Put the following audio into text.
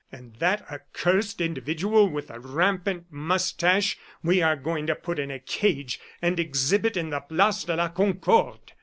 And that accursed individual with the rampant moustache we are going to put in a cage, and exhibit in the place de la Concorde!"